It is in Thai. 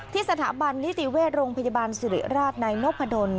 สถาบันนิติเวชโรงพยาบาลสิริราชนายนพดล